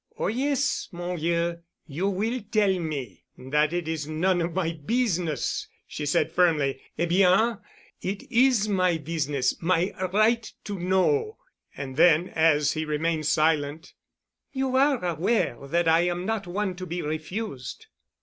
"Oh, yes, mon vieux, you will tell me that it is none of my business," she said firmly. "Eh, bien, it is my business—my right to know." And then, as he remained silent, "You are aware that I am not one to be refused."